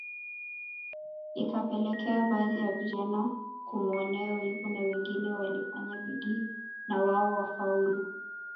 Ikapelekea baadhi ya vijana kumuonea wivu na wengine walifanya bidii na wao wafaulu